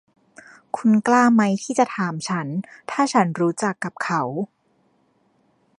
คุณกล้ามั้ยที่จะถามฉันถ้าฉันรู้จักกับเขา